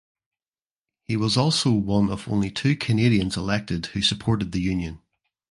He was also one of only two Canadiens elected who supported the union.